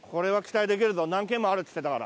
何軒もあるって言ってたから。